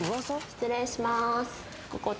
失礼しまーす